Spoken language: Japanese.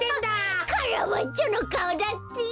カラバッチョのかおだって！